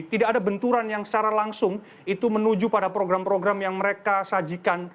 tidak ada benturan yang secara langsung itu menuju pada program program yang mereka sajikan